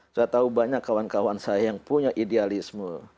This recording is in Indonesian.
saya tahu banyak kawan kawan saya yang punya idealisme